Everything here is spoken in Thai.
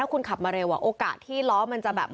คุณขับมาเร็วโอกาสที่ล้อมันจะแบบ